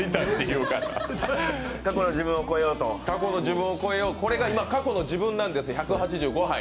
過去の自分を超えようとこれが今、過去の自分なんです、１８５杯。